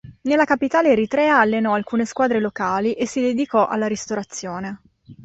Nella capitale eritrea allenò alcune squadre locali e si dedicò alla ristorazione.